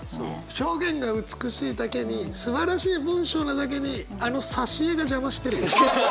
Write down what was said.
表現が美しいだけにすばらしい文章なだけにあの挿絵が邪魔してる。